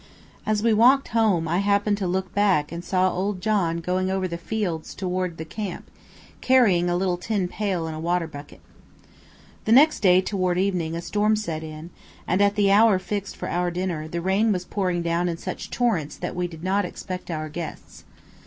As we walked home, I happened to look back and saw old John going over the fields toward the camp, carrying a little tin pail and a water bucket. The next day, toward evening, a storm set in, and at the hour fixed for our dinner, the rain was pouring down in such torrents that we did not expect our guests.